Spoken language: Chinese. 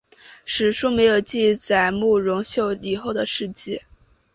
史书没有记载慕容秀以后的事迹。